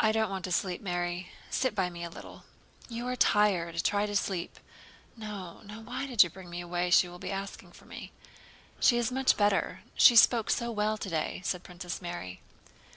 "I don't want to sleep, Mary, sit by me a little." "You are tired—try to sleep." "No, no. Why did you bring me away? She will be asking for me." "She is much better. She spoke so well today," said Princess Mary.